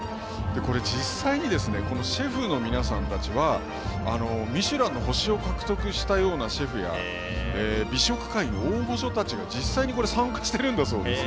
実際にシェフの皆さんたちはミシュランの星を獲得したようなシェフや美食界の大御所たちが実際に参加しているんだそうです。